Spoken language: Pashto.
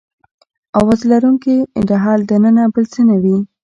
د اواز لرونکي ډهل دننه بل څه نه وي.